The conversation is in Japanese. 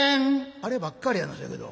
「あればっかりやなそやけど。